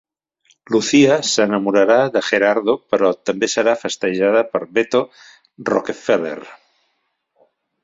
Lucia s"enamorarà de Gerardo però també serà festejada per Beto "Roque-feller".